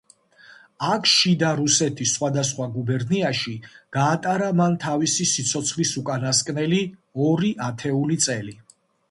აქ შიდა რუსეთის სხვადასხვა გუბერნიაში გაატარა მან თავისი სიცოცხლის უკანასკნელი ორი ათეული წელი.